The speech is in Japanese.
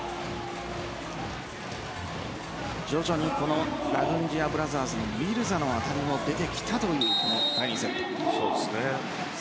徐々にラグンジヤブラザーズのミルザの当たりも出てきたという第２セット。